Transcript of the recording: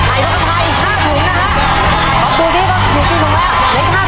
ไข่ไก่ใกล้จะหมดแล้วนะครับ